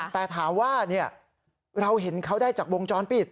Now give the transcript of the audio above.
แต่ถามว่าเราเห็นเขาได้จากวงจรปิด